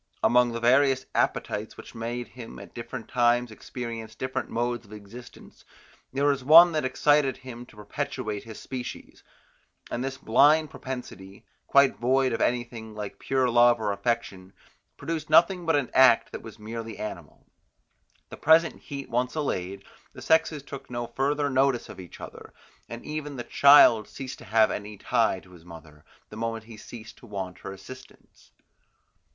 Among the various appetites, which made him at different times experience different modes of existence, there was one that excited him to perpetuate his species; and this blind propensity, quite void of anything like pure love or affection, produced nothing but an act that was merely animal. The present heat once allayed, the sexes took no further notice of each other, and even the child ceased to have any tie in his mother, the moment he ceased to want her assistance.